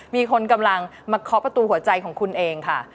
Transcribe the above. มีคนกำลังมาเคาะประตูหัวใจของคุณเองค่ะ